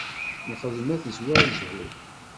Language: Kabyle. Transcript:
Lxedma tezwar zzhu.